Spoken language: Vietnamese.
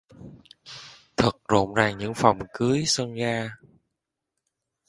Thật rộn ràng những phòng cưới sân ga